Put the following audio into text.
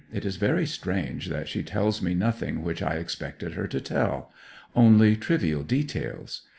It is very strange that she tells me nothing which I expected her to tell only trivial details.